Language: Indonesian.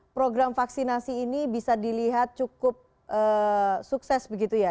program vaksinasi ini bisa dilihat cukup sukses begitu ya